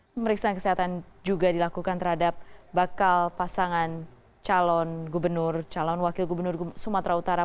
pemeriksaan kesehatan juga dilakukan terhadap bakal pasangan calon gubernur calon wakil gubernur sumatera utara